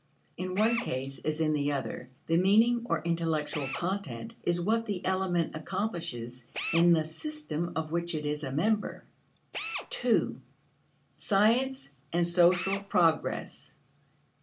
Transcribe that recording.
In one case, as in the other, the meaning, or intellectual content, is what the element accomplishes in the system of which it is a member. 2. Science and Social Progress.